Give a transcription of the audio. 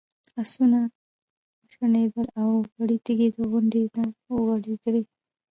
آسونه وشڼېدل او وړې تیږې د غونډۍ نه ورغړېدې.